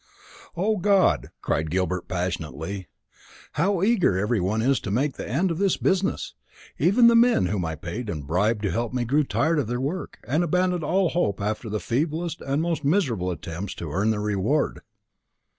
"O God!" cried Gilbert passionately, "how eager every one is to make an end of this business! Even the men whom I paid and bribed to help me grew tired of their work, and abandoned all hope after the feeblest, most miserable attempts to earn their reward."